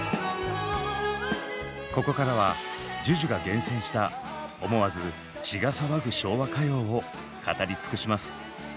ここからはＪＵＪＵが厳選した思わず血が騒ぐ昭和歌謡を語り尽くします。